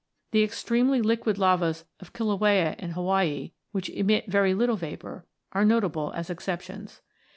The extremely liquid lavas of Kilauea in Hawaii, which emit very little vapour, are notable as exceptions.